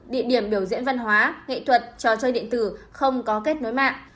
địa điểm biểu diễn văn hóa nghệ thuật trò chơi điện tử không có kết nối mạng